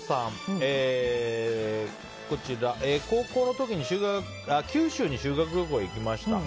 高校の時に九州に修学旅行に行きました。